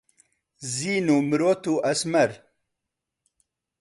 زین و مرۆت و ئەسمەر